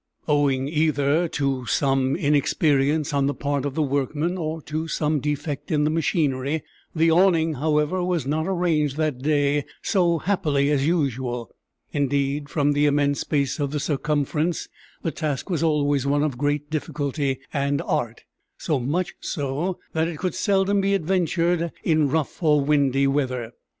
Owing either to some inexperience on the part of the workmen or to some defect in the machinery, the awning, however, was not arranged that day so happily as usual; indeed, from the immense space of the circumference, the task was always one of great difficulty and art so much so that it could seldom be adventured in rough or windy weather.